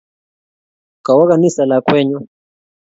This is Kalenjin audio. Kawo ganisa lakwennyu.